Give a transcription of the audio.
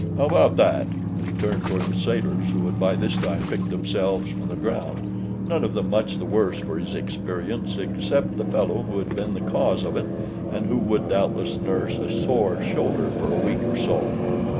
"How about that?" and he turned toward the sailors who had by this time picked themselves from the ground, none of them much the worse for his experience except the fellow who had been the cause of it, and who would doubtless nurse a sore shoulder for a week or so.